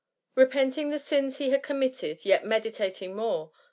Repenting the sins he had committed, yet meditating more.